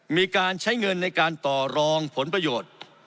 มีการใช้เงินในการต่อรองผลประโยชน์